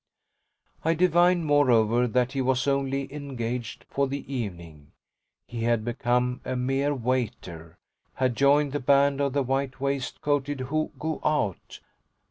I divined moreover that he was only engaged for the evening he had become a mere waiter, had joined the band of the white waistcoated who "go out."